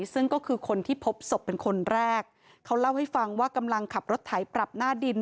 ซึ่งก็คือคนที่พบศพเป็นคนแรกเขาเล่าให้ฟังว่ากำลังขับรถไถปรับหน้าดิน